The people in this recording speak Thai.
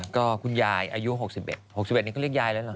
ก็คุณยายอายุ๖๑๖๑นี้ก็เรียกยายแล้วเหรอ